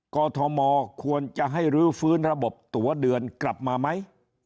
กรทมควรจะให้รื้อฟื้นระบบตัวเดือนกลับมาไหม